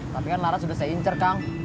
tapi kan laras udah saya incer kang